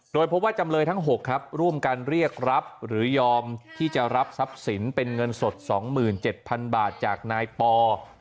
โดยพบว่าจำเลยทั้ง๖ครับร่วมกันเรียกรับหรือยอมที่จะรับทรัพย์สินเป็นเงินสด๒๗๐๐๐บาทจากนายปอ